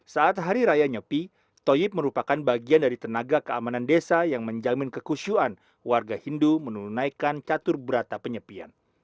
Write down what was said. saat hari raya nyepi toyib merupakan bagian dari tenaga keamanan desa yang menjamin kekusyuan warga hindu menunaikan catur berata penyepian